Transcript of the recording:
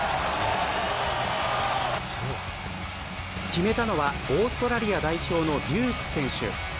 決めたのはオーストラリア代表のデューク選手。